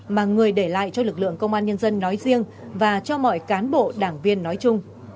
mà người để lại cho lực lượng công an nhân dân nói riêng và cho mọi cán bộ đảng viên nói chung